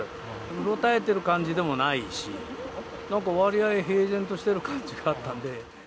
うろたえてる感じでもないし、なんかわりあい、平然としている感じがあったんで。